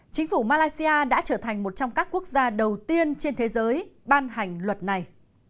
chính phủ malaysia đã trở thành một trong các quốc gia đầu tiên trên thế giới ban hành luật này